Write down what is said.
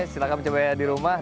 silahkan mencoba di rumah